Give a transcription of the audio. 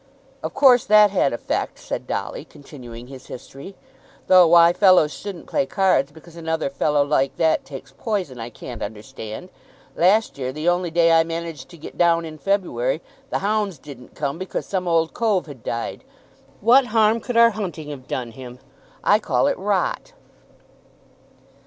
"Of course that had effect," said Dolly, continuing his history. "Though why fellows shouldn't play cards because another fellow like that takes poison, I can't understand. Last year the only day I managed to get down in February, the hounds didn't come because some old cove had died. What harm could our hunting have done him? I call that rot."